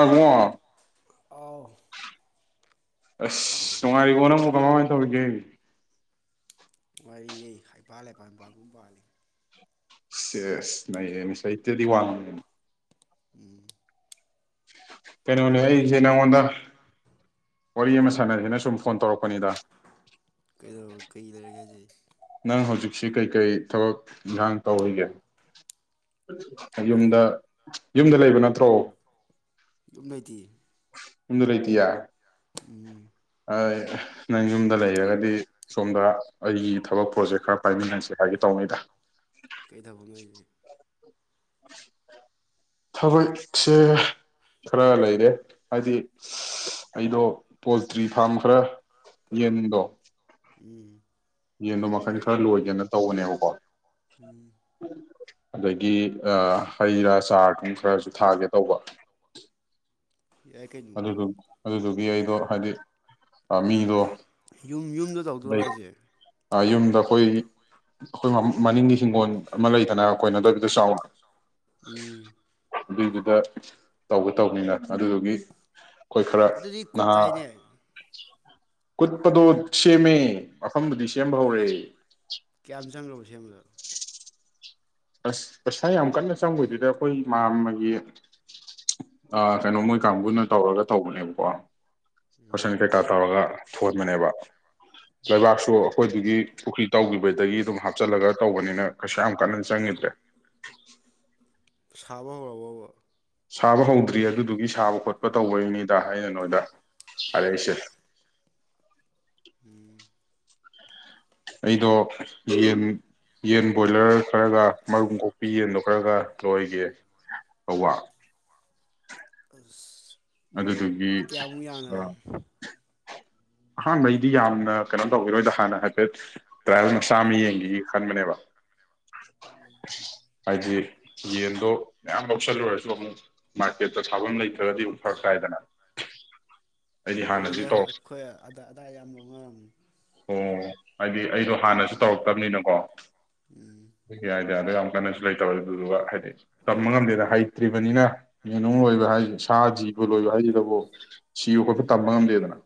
ꯑ ꯕꯨꯡꯑꯣ ꯍꯥꯎ ꯑꯁ ꯅꯨꯡꯉꯥꯏꯔꯤꯕꯣ ꯅꯪꯕꯣ ꯀꯃꯥꯏ ꯀꯃꯥꯏ ꯇꯧꯔꯤꯒꯦ ꯅꯨꯡꯉꯥꯏꯔꯤꯌꯦ ꯍꯩꯄꯥꯜ-ꯂꯩꯄꯥꯜ ꯄꯥꯡꯒꯨꯝ ꯄꯥꯜꯂꯤ ꯁꯤ꯭ꯌꯦꯁ ꯅꯩꯔꯦꯅꯦ ꯁꯍꯤꯇꯌ꯭ꯥꯗꯤ ꯋꯥꯡ ꯎꯝ ꯀꯩꯅꯣꯅꯦ ꯑꯩꯁꯦ ꯅꯉꯣꯟꯗ ꯋꯥꯔꯤ ꯑꯃ ꯁꯥꯟꯅꯁꯦꯅ ꯁꯨꯝ ꯐꯣꯟ ꯇꯧꯔꯛꯄꯅꯤꯗ ꯀꯩꯗꯧ ꯀꯩ ꯂꯩꯔꯒꯦ ꯍꯥꯏꯖꯦ ꯅꯪ ꯍꯧꯖꯤꯛꯁꯤ ꯀꯩ ꯀꯩ ꯊꯕꯛ ꯏꯟꯈꯥꯡ ꯇꯧꯔꯤꯒꯦ ꯑꯩꯔꯣ ꯌꯨꯝꯗ ꯌꯨꯝꯗ ꯂꯩꯕ ꯅꯠꯇ꯭ꯔꯣ ꯌꯨꯝ ꯂꯩꯇꯤꯌꯦ ꯌꯨꯝꯗ ꯂꯩꯇꯤꯌꯦ [unintelligible] ꯅꯪ ꯌꯨꯝꯗ ꯂꯩꯔꯒꯗꯤ ꯁꯣꯝꯗ ꯑꯩꯒꯤ ꯊꯕꯛ ꯄ꯭ꯔꯣꯖꯦꯛ ꯈꯔ ꯄꯥꯏꯃꯤꯟꯅꯁꯦ ꯍꯥꯏꯒꯦ ꯇꯧꯅꯤꯗ ꯀꯩ ꯊꯕꯛꯅꯣ ꯍꯥꯏꯁꯦ [inaudible] ꯊꯕꯛꯁꯦ ꯈꯔ ꯂꯩꯔꯦ ꯍꯥꯏꯗꯤ ꯑꯩꯗꯣ ꯄꯣꯜꯇ꯭ꯔꯤ ꯐꯥꯝ ꯈꯔ ꯌꯦꯟꯗꯣ ꯎꯝ ꯌꯦꯟꯗꯣ ꯃꯈꯜ ꯈꯔ ꯂꯣꯏꯒꯦꯅ ꯇꯧꯕꯅꯦꯕꯀꯣ ꯑꯗꯒꯤ ꯑꯥ ꯍꯩ ꯔꯥ ꯆꯥꯔ ꯑꯗꯨꯝ ꯈꯔꯁꯨ ꯊꯥꯒꯦ ꯇꯧꯕ ꯌꯥꯏ ꯀꯩꯅꯣ ꯑꯗꯨꯗꯨ ꯑꯗꯨꯗꯨꯒꯤ ꯑꯩꯗꯣ ꯍꯥꯏꯗꯤ ꯃꯤꯗꯣ ꯌꯨꯝ ꯌꯨꯝꯗ ꯇꯧꯗꯣꯔꯣ ꯂꯩ ꯍꯥꯏꯁꯦ ꯌꯨꯝꯗ ꯑꯩꯈꯣꯏ ꯑꯩꯈꯣꯏ ꯃꯅꯤꯡꯒꯤ ꯍꯤꯡꯒꯣꯜ ꯑꯃ ꯂꯩꯗꯅ ꯀꯣꯏꯅꯗꯕꯤꯗ ꯆꯥꯎꯅ ꯎꯝ ꯑꯗꯨꯏꯗꯨꯗ ꯇꯧꯒꯦ ꯇꯧꯕꯅꯤꯗ ꯑꯗꯨꯗꯨꯒꯤ ꯑꯩꯈꯣꯏ ꯈꯔ ꯑꯗꯨꯗꯤ ꯀꯨꯠ ꯅꯍꯥ ꯇꯥꯏꯅꯦ ꯀꯨꯠꯄꯗꯣ ꯁꯦꯝꯃꯦ ꯃꯐꯝꯗꯨꯗꯤ ꯁꯦꯝꯕ ꯍꯧꯔꯦ ꯀꯌꯥꯝ ꯆꯪꯈ꯭ꯔꯕ ꯁꯦꯝꯕꯗ [inaudible] ꯑꯁ ꯄꯩꯁꯥ ꯌꯥꯝ ꯀꯟꯅ ꯆꯪꯕ ꯑꯣꯏꯗꯦꯗ ꯑꯩꯈꯣꯏ ꯃꯥ ꯃꯥꯒꯤ ꯀꯩꯅꯣ ꯃꯣꯏ ꯀꯥꯡꯕꯨꯅ ꯇꯧꯔꯒ ꯇꯧꯕꯅꯦꯕꯀꯣ ꯐꯁꯟ ꯀꯩꯀꯥ ꯇꯧꯔꯒ ꯊꯣꯟꯕꯅꯦꯕ ꯂꯩꯕꯥꯛꯁꯨ ꯑꯩꯈꯣꯏꯗꯨꯒꯤ ꯄꯨꯈ꯭ꯔꯤ ꯇꯧꯈꯤꯕꯗꯒꯤ ꯑꯗꯨꯝ ꯍꯥꯞꯆꯤꯜꯂꯒ ꯇꯧꯕꯅꯤꯅ ꯀꯩꯁꯨ ꯌꯥꯝ ꯀꯟꯅ ꯆꯪꯉꯤꯗ꯭ꯔꯦ ꯁꯥꯕ ꯍꯧꯔꯕꯣꯕ ꯁꯥꯕ ꯍꯧꯗ꯭ꯔꯤ ꯑꯗꯨꯗꯨꯒꯤ ꯁꯥꯕ ꯈꯣꯠꯄ ꯇꯧꯕꯩꯅꯤꯗ ꯍꯥꯏꯗ ꯅꯣꯏꯗ ꯍꯥꯏꯔꯛꯏꯁꯦ ꯑꯩꯗꯣ ꯌꯦꯟ ꯌꯦꯟ ꯕꯣꯏꯂꯔ ꯈꯔꯒ ꯃꯔꯨꯝ ꯀꯣꯛꯄꯤ ꯌꯦꯟꯗꯣ ꯈꯔꯒ ꯂꯣꯏꯒꯦ ꯇꯧꯕ ꯑꯁ ꯑꯗꯨꯗꯨꯒꯤ ꯀꯌꯥꯃꯨꯛ ꯌꯥꯝꯅ ꯑ ꯑꯍꯥꯟꯕꯩꯗꯤ ꯌꯥꯝꯅ ꯀꯩꯅꯣ ꯇꯧꯈꯤꯔꯣꯏꯗ ꯍꯥꯟꯅ ꯍꯥꯏꯐꯦꯠ ꯇ꯭ꯔꯥꯏꯌꯦꯜ ꯃꯆꯥ ꯑꯃ ꯌꯦꯡꯈꯤꯒꯦ ꯈꯟꯕꯅꯦꯕ ꯍꯥꯏꯗꯤ ꯌꯦꯟꯗꯣ ꯃꯌꯥꯝ ꯂꯧꯁꯜꯂꯨꯔꯁꯨ ꯑꯃꯨꯛ ꯃꯥꯔꯀꯦꯠꯇ ꯊꯥꯐꯝ ꯂꯩꯇ꯭ꯔꯒꯗꯤ ꯑꯃꯨꯛ ꯐꯔꯛ ꯇꯥꯏꯗꯅ ꯑꯩꯗꯤ ꯍꯥꯟꯅꯗꯤ ꯀꯣ ꯑꯗ ꯑꯗꯥꯏ ꯌꯥꯝꯅ ꯂꯧꯅꯔꯝꯅꯤ ꯑꯣ ꯍꯥꯏꯗꯤ ꯑꯩꯗꯣ ꯍꯥꯟꯅꯁꯨ ꯇꯧꯔꯛꯇꯕꯅꯤꯅꯀꯣ ꯎꯝ ꯄꯩꯌꯥꯗꯣ ꯌꯥꯝ ꯀꯟꯅꯁꯨ ꯂꯩꯇꯕ ꯑꯗꯨꯗꯨꯒ ꯍꯥꯏꯗꯤ ꯇꯝꯕ ꯉꯝꯗꯦꯗꯅ ꯍꯩꯇ꯭ꯔꯤꯕꯅꯤꯅ ꯌꯦꯅꯨꯡ ꯂꯣꯏꯕ ꯍꯥꯏꯁꯤ ꯁꯥ ꯖꯤꯕ ꯂꯣꯏꯕ ꯍꯥꯏꯁꯤꯗꯕꯨ ꯁꯤꯕ ꯈꯣꯠꯄ ꯇꯝꯕ ꯉꯝꯗꯦꯗꯅ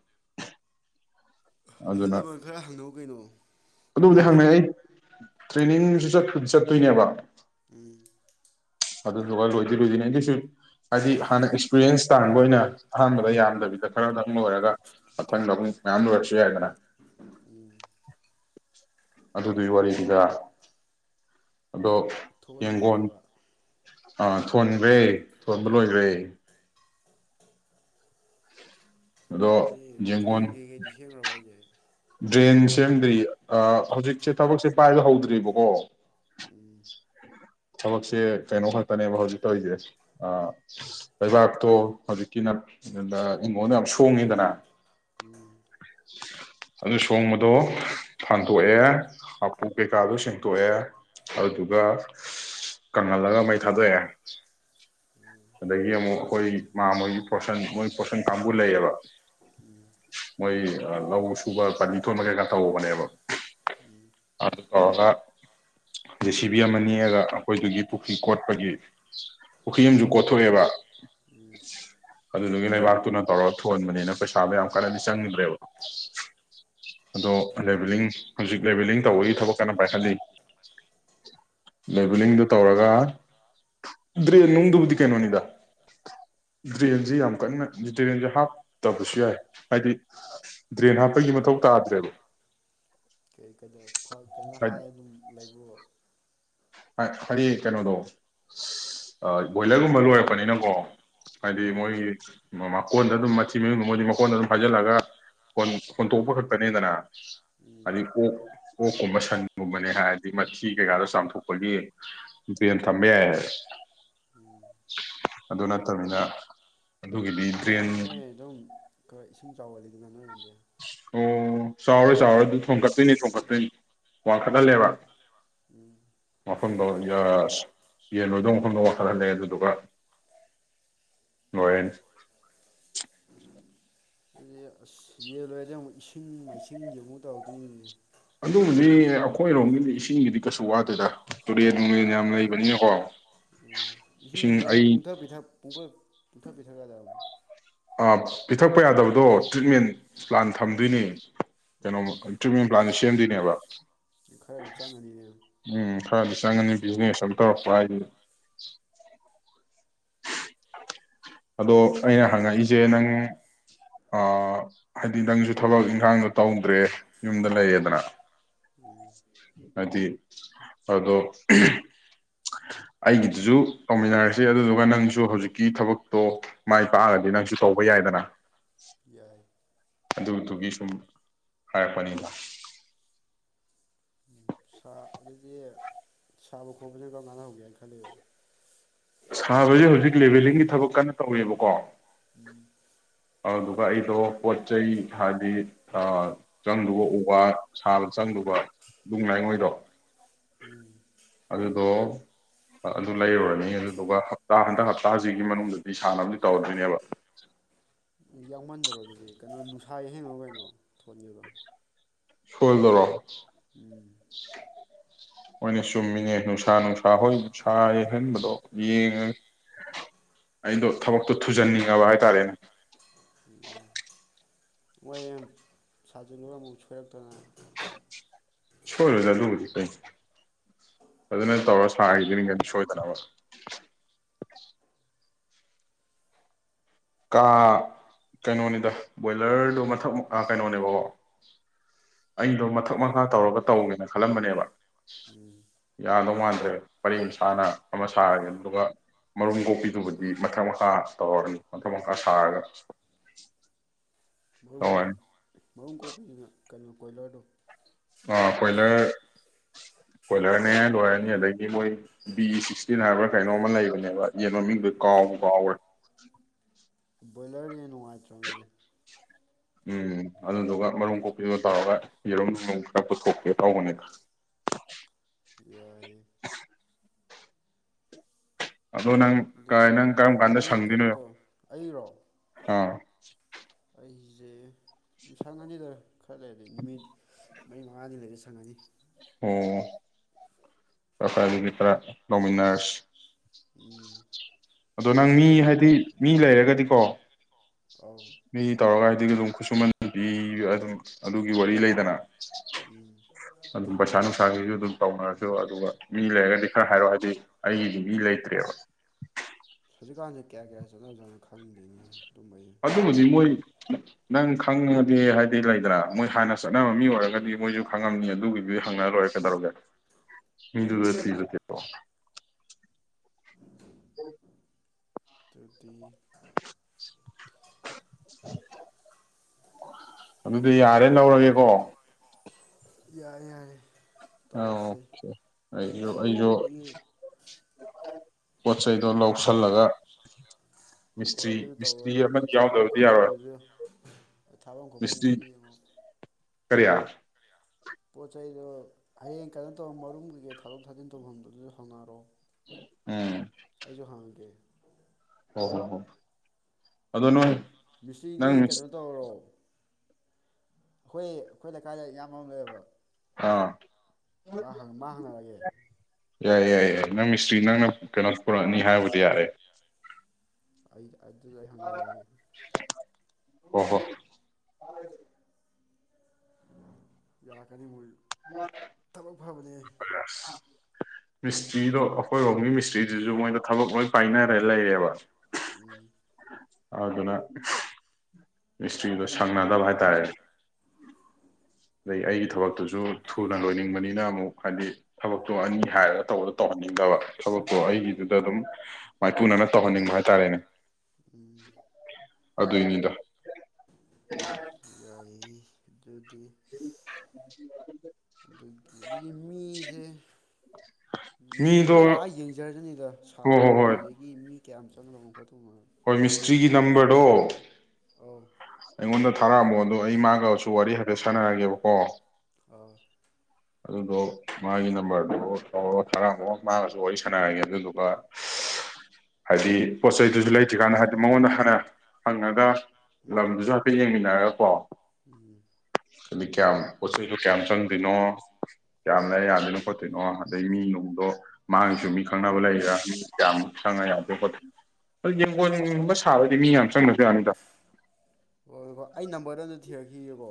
ꯑꯍꯜ ꯑꯗꯨꯅ ꯂꯃꯟ ꯈꯔ ꯍꯪꯅꯧ ꯀꯩꯅꯣ ꯑꯗꯨꯕꯨꯗꯤ ꯑꯈꯪ ꯑꯍꯩ ꯍꯪꯅꯩ ꯑꯩ ꯇ꯭ꯔꯦꯅꯤꯡꯁꯨ ꯆꯠꯄꯨꯗꯤ ꯆꯠꯇꯣꯏꯅꯦꯕ ꯎꯝ ꯑꯗꯨꯗꯨꯒ ꯂꯣꯏꯗꯤ ꯂꯣꯏꯗꯣꯏꯅꯦ ꯑꯩꯒꯤꯁꯨ ꯍꯥꯏꯗꯤ ꯍꯟꯅ ꯑꯦꯛꯁꯄꯤꯔꯤꯌꯦꯟꯁ ꯇꯥꯟꯕ ꯑꯣꯏꯅ ꯑꯍꯥꯟꯕꯗ ꯌꯥꯝꯗꯕꯤꯗ ꯈꯔꯗꯪ ꯂꯣꯏꯔꯒ ꯃꯊꯪꯗ ꯑꯃꯨꯛ ꯃꯌꯥꯝ ꯂꯣꯏꯔ ꯌꯥꯏꯗꯅ꯫ ꯑꯗꯨꯗꯨꯏ ꯋꯥꯔꯤꯅꯤꯗ꯫ ꯑꯗꯣ ꯊꯣꯛꯍꯟꯈ꯭ꯔꯦ ꯌꯦꯡꯒꯣꯟ ꯍꯥꯏꯕ ꯑ ꯊꯣꯟꯈ꯭ꯔꯦ ꯊꯣꯟꯕ ꯂꯣꯏꯈ꯭ꯔꯦ ꯑꯗꯣ ꯑꯗꯩ ꯌꯦꯡꯒꯣꯟ ꯗ꯭ꯔꯦꯟ ꯀꯩꯀꯩꯗꯤ ꯁꯦꯝꯈ꯭ꯔꯕ ꯍꯥꯏꯁꯦ ꯗ꯭ꯔꯦꯟ ꯁꯦꯝꯗ꯭ꯔꯤꯌꯦ ꯑ ꯍꯧꯖꯤꯛꯁꯦ ꯊꯕꯛꯁꯦ ꯄꯥꯏꯕ ꯍꯧꯗ꯭ꯔꯤꯕꯀꯣ꯫ ꯎꯝ ꯊꯕꯛꯁꯦ ꯀꯩꯅꯣ ꯈꯛꯇꯅꯦꯕ ꯍꯧꯖꯤꯛ ꯇꯧꯔꯤꯁꯦ ꯑ ꯂꯩꯕꯥꯛꯇꯣ ꯍꯧꯖꯤꯛꯀꯤꯅ ꯁꯤꯗ ꯏꯟꯉꯣꯟꯗ ꯌꯥꯝ ꯁꯣꯡꯉꯤꯗꯅ ꯎꯝ [inaudible] ꯑꯗꯨ ꯁꯣꯡꯕꯗꯣ ꯐꯥꯟꯗꯣꯛꯑꯦ ꯍꯥꯄꯨ ꯀꯩꯀꯥꯗꯣ ꯁꯦꯡꯇꯣꯛꯑꯦ ꯑꯗꯨꯒ ꯀꯪꯍꯜꯂꯒ ꯃꯩ ꯊꯥꯗꯣꯛꯑꯦ꯫ ꯑꯗꯩꯒꯤ ꯑꯃꯨꯛ ꯑꯩꯈꯣꯏ ꯃꯥ ꯃꯣꯏꯒꯤ ꯐꯣꯔꯁꯟ ꯃꯣꯏ ꯐꯣꯁꯟ ꯀꯥꯡꯕꯨ ꯂꯩꯌꯦꯕ ꯍꯣꯏꯑꯦ ꯑ ꯂꯧ ꯁꯨꯕ ꯄꯥꯂꯤ ꯊꯣꯟꯕ ꯀꯩꯀꯥ ꯇꯧꯕꯅꯦꯕ ꯎꯝ ꯑꯗꯨ ꯇꯧꯔꯒ ꯖꯦ ꯁꯤ ꯕꯤ ꯑꯃ ꯅꯦꯛꯑꯒ ꯑꯩꯈꯣꯏꯗꯨꯒꯤ ꯄꯨꯈ꯭ꯔꯤ ꯀꯣꯠꯄꯒꯤ ꯄꯨꯈ꯭ꯔꯤꯗꯨ ꯀꯣꯊꯣꯛꯔꯦꯕ꯫ ꯑꯗꯨꯗꯒꯤ ꯂꯩꯕꯥꯛꯇꯨꯅ ꯇꯧꯔꯒ ꯊꯣꯟꯕꯅꯤꯅ ꯄꯩꯁꯥꯗꯣ ꯌꯥꯝ ꯀꯥꯏꯟꯅꯗꯤ ꯆꯪꯗ꯭ꯔꯦꯕ ꯑꯗꯣ ꯂꯦꯕꯦꯂꯤꯡ ꯍꯧꯖꯤꯛ ꯂꯦꯕꯦꯂꯤꯡ ꯇꯧꯕꯒꯤ ꯊꯕꯛ ꯀꯟꯅ ꯄꯥꯏꯍꯜꯂꯤ ꯂꯦꯕꯦꯅꯤꯡꯗꯨ ꯇꯧꯔꯒ ꯗ꯭ꯔꯦꯟ ꯅꯨꯡꯗꯨꯕꯨꯗꯤ ꯀꯩꯅꯣꯅꯤꯗ ꯗ꯭ꯔꯦꯟꯁꯤ ꯌꯥꯝ ꯀꯟꯅ ꯗ꯭ꯔꯦꯟꯁꯦ ꯍꯥꯞꯇ ꯁꯨ ꯌꯥꯏ ꯍꯥꯏꯗꯤ ꯗ꯭ꯔꯦꯟ ꯍꯥꯞꯄꯩꯁꯨ ꯃꯊꯧ ꯇꯥꯗ꯭ꯔꯦꯕ꯫ ꯀꯩ ꯍꯥꯏꯗꯤ [unintelligible] ꯍꯥ ꯍꯥꯏꯑꯦ ꯀꯩꯅꯣꯗꯣ ꯏꯁ ꯑꯕꯣꯏꯂꯔꯕꯣ ꯂꯣꯏꯔꯛꯄꯅꯤꯅꯀꯣ꯫ ꯍꯥꯏꯗꯤ ꯎꯝ ꯃꯣꯏꯒꯤ ꯃꯃꯥ ꯀꯣꯟꯗ ꯑꯗꯨꯝ ꯃꯊꯤ ꯃꯌꯨꯡꯗꯨ ꯃꯣꯏꯗꯤ ꯃꯈꯣꯟꯗ ꯑꯗꯨꯝ ꯐꯥꯏꯖꯤꯜꯂꯒ ꯍꯣꯟ ꯍꯣꯟꯇꯣꯛꯄ ꯈꯛꯇꯅꯦꯗꯅ꯫ ꯎꯝ ꯑꯗꯤ ꯀꯣ ꯑꯣꯛꯀꯨꯝꯕ ꯁꯟꯒꯨꯝꯕꯅꯦ ꯍꯥꯏꯔꯗꯤ ꯃꯊꯤ ꯀꯩꯀꯥꯗꯣ ꯆꯥꯝꯊꯣꯛ ꯈꯣꯏꯒꯤꯄꯦꯟ ꯊꯝꯕ ꯌꯥꯏ ꯑꯗꯨ ꯅꯠꯇꯕꯅꯤꯅ ꯑꯗꯨꯒꯤꯗꯤ ꯑꯩ ꯗ꯭ꯔꯦꯟ ꯍꯥꯏ ꯅꯣꯏ ꯑꯗꯨꯝ ꯈꯔ ꯏꯁꯤꯡ ꯆꯥꯎꯒꯟꯂꯤꯗꯅ ꯅꯣꯏ ꯔꯣꯝꯗꯤ ꯎ ꯆꯥꯎꯔꯣꯏ ꯆꯥꯎꯔꯣꯏ ꯑꯗꯨ ꯎꯝ ꯊꯣꯡꯒꯠꯇꯣꯏꯅꯦ ꯊꯣꯡꯒꯠ ꯀꯩ ꯋꯥꯡꯈꯠ ꯍꯜꯂꯦꯕ ꯎꯝ ꯃꯐꯝꯗꯣ ꯌꯁ ꯌꯦꯟ ꯂꯣꯏꯗꯧ ꯃꯐꯝꯗꯣ ꯋꯥꯡꯈꯠ ꯍꯜꯂꯦ ꯑꯗꯨꯗꯨꯒ ꯂꯣꯏꯔꯅꯤ ꯑꯗꯨꯗꯤ ꯌꯦꯟ ꯂꯣꯏꯔꯗꯤ ꯑꯃꯨꯛ ꯏꯁꯤꯡ ꯃꯥꯏꯁꯤꯡꯒꯤ ꯑꯃꯨꯛ ꯇꯧꯗꯣꯏꯅꯤꯅꯦ ꯗꯨꯕꯨꯗꯤ ꯑꯩꯈꯣꯏꯔꯣꯝꯒꯤꯗꯤ ꯏꯁꯤꯡꯒꯤꯗꯤ ꯀꯩꯁꯨ ꯋꯥꯗꯦꯗ ꯇꯨꯔꯦꯟ ꯅꯨꯡꯂꯦꯟ ꯌꯥꯝ ꯂꯩꯕꯅꯤꯅꯀꯣ ꯏꯁꯤꯡ ꯏꯁꯤꯡꯗꯨ ꯃꯣꯏ ꯑꯩ ꯄꯨꯡꯊꯛ ꯄꯤꯊꯛ ꯄꯨꯊꯛ ꯄꯤꯊꯛꯌꯥꯗ ꯍꯥ ꯑ ꯄꯤꯊꯛꯄ ꯌꯥꯗꯕꯗꯣ ꯇ꯭ꯔꯤꯠꯃꯦꯟ ꯄ꯭ꯂꯥꯟ ꯊꯝꯗꯣꯏꯅꯦ ꯀꯩꯅꯣ ꯇ꯭ꯔꯤꯠꯃꯦꯟ ꯄ꯭ ꯂꯥꯟ ꯁꯦꯝꯗꯣꯏꯅꯦꯕ ꯈꯔꯗꯤ ꯆꯪꯉꯅꯤꯅꯦ ꯎꯝ ꯈꯔꯗꯤ ꯆꯡꯉꯥꯅꯤ ꯕꯤꯖꯤꯅꯦꯁ ꯑꯃ ꯇꯧꯔꯛꯄ ꯍꯥꯏꯁ ꯑꯗꯣ ꯑꯩꯅ ꯍꯪꯉꯛꯏꯁꯦ ꯅꯪ ꯑꯥ ꯍꯥꯏꯗꯤ ꯅꯪꯁꯨ ꯊꯕꯛ ꯏꯪꯈꯥꯡꯗꯣ ꯇꯧꯗ꯭ꯔꯦ ꯌꯨꯝꯗ ꯂꯩꯌꯦꯗꯅ ꯑꯗꯤ ꯑꯗꯣ [unintelligible] ꯑꯩꯒꯤꯗꯨꯁꯨ ꯇꯧꯃꯤꯟꯅꯔꯁꯤ ꯑꯗꯨꯗꯨꯒ ꯅꯪꯁꯨ ꯍꯧꯖꯤꯛꯀꯤ ꯊꯕꯛ ꯇꯣ ꯃꯥꯏ ꯄꯥꯛꯑꯒꯗꯤ ꯅꯪꯁꯨ ꯇꯧꯕ ꯌꯥꯏꯗꯅ ꯌꯥꯏ ꯑꯗꯨꯗꯨꯒꯤ ꯁꯨꯝ ꯍꯥꯏꯔꯛꯄꯅꯤꯗ ꯁꯥ ꯑꯗꯨꯗꯤ ꯁꯥꯕ ꯈꯣꯠꯄꯁꯦ ꯀꯝꯀꯥꯟ ꯍꯧꯒꯦ ꯈꯜꯂꯤꯕ ꯁꯥꯕꯖꯦ ꯍꯧꯖꯤꯛ ꯍꯧꯖꯤꯛ ꯂꯦꯚꯦꯜꯂꯤꯡꯒꯤ ꯊꯕꯛ ꯀꯟꯅ ꯇꯧꯔꯤꯌꯦꯕꯣꯛ ꯀꯣ ꯎꯝ ꯑꯗꯨꯗꯨꯒ ꯑꯩꯗꯣ ꯄꯣꯠ-ꯆꯩꯩ ꯍꯥꯏꯗꯤ ꯁꯥ ꯆꯪꯗꯩꯕ ꯎ-ꯋꯥ ꯁꯥꯕ ꯆꯪꯗꯧꯕ ꯅꯨꯡ-ꯂꯩꯉꯣꯏꯗꯣ ꯎꯝ ꯑꯗꯨꯗꯣ ꯑꯗꯨ ꯂꯩꯔꯨꯔꯅꯤ ꯑꯗꯨ ꯑꯗꯨꯒ ꯍꯞꯇꯥ ꯍꯟꯗꯛ ꯍꯞꯇꯥꯁꯤꯒꯤ ꯃꯅꯨꯡꯗꯗꯤ ꯁꯥꯟꯅꯕꯗꯤ ꯇꯧꯔꯗꯣꯏꯅꯦꯕ ꯌꯥꯎꯃꯟꯗꯔꯣ ꯑꯗꯨꯗꯤ ꯀꯩꯅꯣ ꯅꯨꯡꯁ ꯌꯩꯍꯟꯒꯅꯣ ꯀꯩꯅꯣ ꯊꯣꯠꯅꯦꯕ ꯁꯣꯏꯜꯗꯔꯣ ꯎꯝ ꯍꯣꯏꯅꯦ ꯆꯨꯝꯃꯤꯅꯦ ꯅꯨꯡꯁꯥ ꯅꯨꯡꯁꯥ ꯍꯣꯏ ꯅꯨꯡꯁꯥ ꯌꯩꯍꯟꯕꯗꯣ ꯌꯦꯡꯉꯒꯦ ꯑꯩꯗꯣ ꯊꯕꯛꯇꯣ ꯊꯨꯖꯟꯅꯤꯡꯉꯕ ꯍꯥꯏꯇꯥꯔꯦꯅꯦ ꯎꯝ ꯃꯣꯏ ꯁꯥꯖꯤꯜꯂꯨꯔ ꯑꯃꯨꯛ ꯁꯣꯏꯔꯛꯇꯅ ꯁꯣꯏꯔꯣꯏꯗ ꯑꯗꯨꯕꯨꯗꯤ ꯀꯩꯅꯣ ꯐꯖꯅ ꯇꯧꯔꯒ ꯁꯥꯒꯤꯗꯨꯏꯅꯤ ꯀꯩꯅꯣ ꯁꯣꯏꯗꯅꯕ ꯀꯥ ꯀꯩꯅꯣꯅꯤꯗ ꯕꯣꯏꯂꯔꯗꯣ ꯃꯊꯛ-ꯃꯈꯥ ꯀꯩꯅꯣꯅꯦꯕꯀꯣ ꯑꯩꯗꯣ ꯃꯊꯛ-ꯃꯈꯥ ꯇꯧꯔꯒ ꯇꯧꯒꯦꯅ ꯈꯜꯂꯝꯕꯅꯦꯕ ꯎꯝ ꯌꯥꯗꯧ ꯃꯥꯟꯗ꯭ꯔꯦ ꯄꯔꯦꯡ ꯁꯥꯅ ꯑꯃ ꯁꯥꯔꯒꯦ ꯑꯗꯨꯒ ꯃꯔꯨꯝ ꯀꯣꯛꯄꯤꯗꯨꯕꯨꯗꯤ ꯃꯊꯛ ꯃꯈꯥ ꯇꯧꯔꯅꯤ ꯃꯊꯛ-ꯃꯈꯥ ꯁꯥꯔꯒ ꯇꯧꯔꯥꯅꯤ ꯃꯔꯨꯝ ꯃꯔꯨꯝ ꯀꯣꯛꯄꯤꯅꯤꯅꯦ ꯀꯩꯅꯣ ꯀꯣꯏꯂꯔꯗꯣ ꯑꯥ ꯀꯣꯏꯂꯔ ꯀꯣꯏꯂꯔꯅꯦ ꯂꯣꯏꯔꯅꯤ ꯑꯗꯒꯤ ꯃꯣꯏ ꯕꯤ ꯁꯤꯛꯁꯇꯤꯟ ꯍꯥꯏꯕ꯭ꯔꯥ ꯀꯩꯅꯣꯝꯃ ꯂꯩꯕꯅꯦꯕ ꯌꯦꯟ ꯃꯃꯤꯡꯗ ꯀꯥꯎꯕꯨ ꯀꯥꯎꯒꯔ꯭ꯦ ꯕꯣꯏꯂꯔ ꯌꯦꯟ ꯅꯨꯡꯉꯥꯏꯇ꯭ꯔꯕꯅꯤꯗ ꯎꯝ ꯑꯗꯨꯗꯨꯒ ꯃꯔꯨꯝ ꯀꯣꯛꯄꯤꯗꯨ ꯇꯧꯔꯒ ꯌꯦꯔꯨꯝ ꯅꯨꯡ ꯈꯔ ꯄꯨꯊꯣꯛꯀꯦ ꯇꯧꯕꯅꯦꯗ [inaudible] ꯌꯥꯏꯌꯦ ꯑꯗꯣ ꯅꯪ ꯀꯥꯏ ꯑꯗꯨꯗꯤ ꯅꯪ ꯀꯔꯝ ꯀꯥꯟꯗ ꯑꯩ ꯀꯩꯅꯣ ꯁꯪꯗꯣꯏꯅꯣꯌꯣ ꯇꯧꯔꯦ ꯑꯩꯔꯣ ꯍꯥ [inaudible] ꯑꯩꯖꯦ ꯁꯡꯉꯥꯅꯤꯗ ꯅꯨꯃꯤꯠ ꯈꯔ ꯂꯩꯔꯗꯤ ꯅꯨꯃꯤꯠ ꯃꯔꯤ ꯃꯉꯥꯅꯤ ꯂꯩꯔꯥꯗꯤ ꯁꯪꯉꯅꯤ ꯑꯣ [unintelligible] ꯇꯧꯃꯤꯅꯔꯁꯤ ꯎꯝ ꯑꯗꯣ ꯅꯪ ꯃꯤ ꯑꯗꯨꯒꯤ ꯍꯥꯏꯗꯤ ꯃꯤ ꯂꯩꯔꯒꯗꯤꯀꯣ ꯑꯧ ꯃꯤ ꯇꯧꯔꯒ ꯑꯗꯨ ꯑꯗꯨꯝ ꯈꯨꯠꯁꯨꯃꯟ ꯗꯤ ꯑꯗꯨꯝ ꯑꯗꯨꯒꯤ ꯋꯥꯔꯤ ꯂꯩꯗꯅ ꯎꯝ ꯑꯗꯨꯝ ꯄꯩꯁꯥ ꯅꯨꯡꯁꯥꯒꯤꯁꯨ ꯑꯗꯨꯝ ꯇꯧꯅꯔꯁꯨ ꯑꯗꯨꯒ ꯃꯤ ꯂꯩꯔꯒꯗꯤ ꯈꯔ ꯍꯥꯏꯔꯣ ꯍꯥꯏꯗꯤ ꯑꯩꯒꯤꯗꯤ ꯃꯤ ꯂꯩꯇ꯭ꯔꯦꯕ ꯍꯧꯖꯤꯛꯀꯥꯟꯁꯦ ꯀꯌꯥ ꯀꯌꯥ ꯆꯠꯅꯖꯠꯅꯣ ꯈꯪꯗꯦꯅꯦ ꯑꯗꯨꯝꯕꯩ ꯑꯗꯨ ꯍꯧꯖꯤ ꯀꯣ ꯃꯣꯏ ꯅꯪ ꯈꯪꯉꯗꯤ ꯍꯥꯏꯗꯤ ꯂꯩꯗꯅꯥ ꯃꯣꯏ ꯍꯥꯟꯅ ꯆꯠꯅꯕ ꯃꯤ ꯑꯣꯏꯔꯒꯗꯤ ꯃꯣꯏꯁꯨ ꯈꯪꯉꯝꯅꯤ ꯑꯗꯨꯒꯤꯗꯨꯗꯤ ꯍꯪꯅ ꯂꯣꯏꯔꯦ ꯀꯩꯗꯧꯔꯒꯦ [unintelligible] ꯍꯣ ꯑꯗꯨꯗꯤ ꯑꯗꯨꯗꯤ ꯌꯥꯔꯦꯅ ꯂꯧꯔꯒꯦꯀꯣ ꯌꯥꯔꯦ ꯌꯥꯔꯦ ꯑꯥ ꯇꯧꯔꯁꯤ ꯑꯣꯀꯦ ꯑꯩꯁꯨ ꯑꯩꯁꯨ ꯑꯗꯒꯤ ꯄꯣꯠꯆꯩꯗꯣ ꯑꯗꯨ ꯂꯧꯁꯜꯂꯒ ꯍꯣꯏ ꯃꯤꯁꯇ꯭ꯔꯤ ꯑꯗꯨ ꯇꯧꯔꯣ ꯃꯤꯁꯇ꯭ꯔꯤ ꯑꯗꯒꯤ ꯑꯃꯅꯤ ꯊꯥꯕꯝ ꯌꯥꯎꯗꯕꯗꯤ ꯌꯥꯔꯣꯏ ꯈꯣꯠꯐꯝꯗꯨꯁꯨ ꯊꯥꯕꯝ ꯈꯣꯠꯐꯝꯗꯨ ꯃꯤꯁꯇ꯭ꯔꯤ ꯌꯦꯡꯉꯣ ꯀꯔꯤ ꯄꯣꯠ ꯆꯩꯗꯣ ꯍꯌꯦꯡ ꯀꯩꯅꯣ ꯇꯧ ꯃꯔꯨꯝ ꯀꯩꯀꯩ ꯊꯥꯗꯣꯛ ꯊꯥꯖꯤꯟ ꯇꯧꯐꯝꯗꯨꯗꯨꯁꯨ ꯍꯪꯅꯔꯣ ꯎꯝ ꯑꯩꯁꯨ ꯍꯪꯒꯦ ꯍꯣ ꯍꯣ ꯍꯣ ꯑꯗꯣ ꯅꯣꯏ ꯃꯤꯁꯇ꯭ꯔꯤꯗꯤ ꯅꯪ ꯃꯤꯁ ꯀꯩꯅꯣ ꯇꯧꯔꯣ ꯑꯈꯣꯏ ꯑꯩꯈꯣꯏ ꯂꯩꯀꯥꯏꯗ ꯏꯌꯥꯝꯕ ꯑꯃ ꯂꯩꯌꯦꯕ ꯑꯥ ꯃꯥ ꯍꯪ ꯃꯥ ꯍꯪꯅꯔꯒꯦ ꯌꯥꯏꯌꯦ ꯌꯥꯏꯌꯦ ꯌꯥꯏꯌꯦ ꯅꯪ ꯃꯤꯁꯇ꯭ꯔꯤ ꯅꯪꯅ ꯀꯩꯅꯣ ꯄꯨꯔꯛꯑꯅꯤ ꯍꯥꯏꯔꯕꯨꯗꯤ ꯌꯥꯔꯦ ꯑꯩ ꯑꯗꯨꯗ ꯑꯩ ꯍꯪꯅꯔꯒꯦ ꯍꯣ ꯍꯣ ꯌꯥꯔꯛꯀꯅꯤ ꯃꯣꯏꯁꯨ ꯊꯕꯛ ꯐꯕ [unintelligible] ꯃꯤꯁꯇ꯭ꯔꯤꯗꯣ ꯑꯩꯈꯣꯏꯔꯣꯝꯒꯤ ꯃꯤꯁꯇ꯭ꯔꯤꯗꯨꯁꯨ ꯃꯣꯏꯗ ꯊꯕꯛ ꯂꯣꯏ ꯄꯥꯏꯅꯔ ꯂꯩꯔꯦꯕ ꯎꯝ ꯑꯗꯨꯗꯨꯅ ꯃꯤꯁꯇꯔꯤꯗꯣ ꯁꯪꯅꯗꯕ ꯍꯥꯏꯇꯥꯔꯦꯅꯦ ꯗꯩ ꯑꯩꯒꯤ ꯊꯕꯛꯇꯨꯁꯨ ꯊꯨꯅ ꯂꯣꯏꯅꯤꯡꯕꯅꯤꯅ ꯑꯃꯨꯛ ꯍꯥꯏꯗꯤ ꯊꯕꯛꯇꯣ ꯑꯅꯤ ꯍꯥꯏꯔꯒ ꯇꯧꯕꯗ ꯇꯧꯍꯟꯅꯤꯡꯗꯕ ꯊꯕꯛꯇꯣ ꯑꯩꯒꯤꯗꯨꯗ ꯑꯗꯨꯝ ꯃꯥꯏꯄꯨꯅꯅ ꯇꯧꯍꯟꯅꯤꯡꯕ ꯍꯥꯏꯇꯥꯔꯦꯅꯦ ꯎꯝ ꯑꯗꯨꯏꯅꯤꯗ ꯑꯩ ꯑꯗꯨꯗꯤ ꯑꯗꯨꯒꯤ ꯑꯗꯨꯗꯤ ꯃꯤꯁꯦ ꯃꯤꯗꯣ ꯃꯤꯁꯇ꯭ꯔꯤꯗꯨꯅ ꯂꯥꯛꯑꯒ ꯌꯦꯡꯖ ꯖꯔꯅꯤꯗ ꯍꯣ ꯁꯥꯗ ꯍꯣ ꯃꯑꯣꯡ ꯍꯣꯏ ꯑꯗꯨꯗꯒꯤ ꯃꯤ ꯀꯌꯥꯝ ꯆꯪꯒꯗꯧꯅꯣ ꯈꯣꯠꯇꯧ ꯍꯣꯏ ꯃꯤꯁꯇ꯭ꯔꯤꯒꯤ ꯅꯝꯕꯔꯗꯣ ꯑꯧ ꯑꯩꯉꯣꯟꯗ ꯊꯥꯔꯛꯑꯝꯃꯣ ꯑꯗꯣ ꯑꯩ ꯃꯥꯒꯁꯨ ꯋꯥꯔꯤ ꯍꯥꯏꯐꯦꯠ ꯁꯥꯟꯅꯔꯒꯦꯕꯀꯣ ꯑꯥ ꯑꯗꯨꯗꯣ ꯃꯥꯒꯤ ꯅꯝꯕꯔꯗꯨ ꯇꯧꯔꯣ ꯊꯔꯛꯑꯝꯃꯣ ꯃꯥꯒꯁꯨ ꯋꯥꯔꯤ ꯁꯥꯟꯅꯔꯒꯦ ꯑꯗꯨꯗꯨꯒ ꯍꯥꯏꯗꯤ ꯄꯣꯠ ꯆꯩꯗꯨꯁꯨ ꯂꯩꯇ꯭ꯔꯤꯀꯥꯟꯗ ꯍꯥꯏꯗꯤ ꯃꯉꯣꯟꯗ ꯍꯥꯟꯅ ꯍꯪꯉꯒ ꯂꯝꯗꯨꯁꯨ ꯍꯥꯏꯐꯦꯠ ꯌꯦꯡꯃꯤꯟꯅꯔꯒꯀꯣ ꯀꯌꯥꯝ ꯄꯣꯠ ꯆꯩꯁꯨ ꯀꯌꯥꯝ ꯆꯪꯗꯣꯏꯅꯣ ꯀꯌꯥꯝꯅ ꯂꯩꯔ ꯌꯥꯗꯣꯏꯅꯣ ꯈꯣꯠꯇꯣꯏꯅꯣ ꯑꯗꯩ ꯃꯤ ꯅꯨꯡꯗꯣ ꯃꯥꯡꯉꯁꯨ ꯃꯤ ꯈꯪꯅꯕ ꯂꯩꯔꯥ ꯃꯤ ꯀꯌꯥꯝꯃꯛꯪꯉ ꯌꯥꯗꯣꯏ ꯈꯣꯠꯇꯣꯏꯅꯣ ꯑꯗꯨ ꯌꯦꯡꯒꯣꯟꯒꯨꯝꯕ ꯁꯥꯕꯗꯤ ꯃꯤ ꯌꯥꯝ ꯆꯪꯗꯁꯨ ꯌꯥꯅꯤꯗ ꯍꯣꯏ ꯍꯣꯏ ꯑꯩ ꯅꯝꯕꯔꯗ ꯑꯝꯗ ꯊꯤꯔꯛꯈꯤꯒꯦꯀꯣ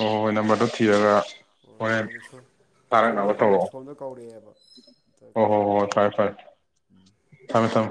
ꯍꯣꯏ ꯍꯣꯏ ꯍꯣꯏ ꯅꯝꯕꯔꯗꯣ ꯊꯤꯔꯒ ꯍꯣꯏ ꯍꯣꯔꯦꯟ ꯁꯣꯝꯗ ꯁꯣꯝꯗ ꯊꯥꯔꯛꯅꯕ ꯀꯧꯔꯦ ꯇꯧꯔꯛꯑꯣ ꯁꯣꯝꯗ ꯀꯧꯔꯛꯑꯦꯕ ꯍꯣꯏ ꯍꯣꯏ ꯑꯝꯇ ꯍꯣꯏ ꯐꯔꯦ ꯐꯔꯦ ꯊꯝꯃꯦ ꯊꯝꯃꯦ